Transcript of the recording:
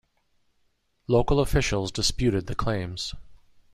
Local officials disputed the claims.